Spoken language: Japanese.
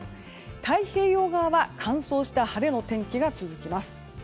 太平洋側は乾燥した晴れの天気が続きます。